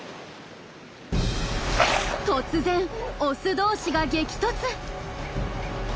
突然オス同士が激突！